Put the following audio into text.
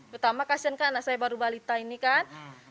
pertama kasian kan anak saya baru balita ini kan